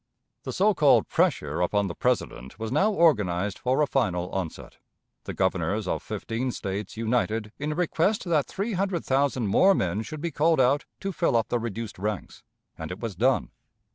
The so called pressure upon the President was now organized for a final onset. The Governors of fifteen States united in a request that three hundred thousand more men should be called out to fill up the reduced ranks, and it was done.